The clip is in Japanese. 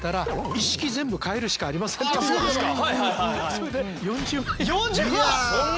それで４０万！？